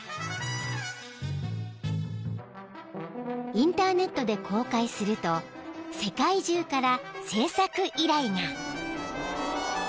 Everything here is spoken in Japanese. ［インターネットで公開すると世界中から制作依頼が］